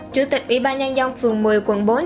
chủ tịch ủy ban nhân dân phường một mươi quận bốn